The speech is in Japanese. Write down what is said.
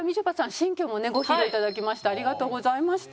新居もねご披露いただきましてありがとうございました。